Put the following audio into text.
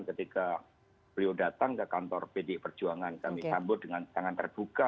ketika beliau datang ke kantor pdi perjuangan kami sambut dengan sangat terbuka